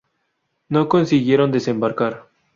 No consiguieron desembarcar.